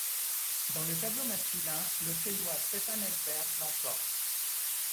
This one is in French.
Dans le tableau masculin, le Suédois Stefan Edberg l'emporte.